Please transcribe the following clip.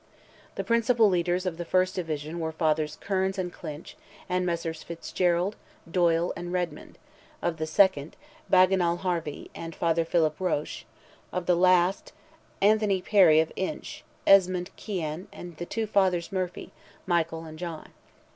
The principal leaders of the first division were Fathers Kearns and Clinch, and Messrs. Fitzgerald, Doyle, and Redmond; of the second, Bagenal Harvey, and Father Philip Roche; of the last, Anthony Perry of Inch, Esmond Kyan, and the two Fathers Murphy, Michael, and John.